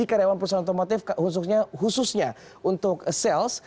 karyawan perusahaan otomotif khususnya untuk sales